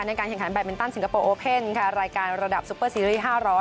ในการแข่งขันแบตมินตันสิงคโปร์โอเพ่นค่ะรายการระดับซุปเปอร์ซีรีส์๕๐๐